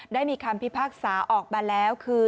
ได้มีคำพิพากษาออกมาแล้วคือ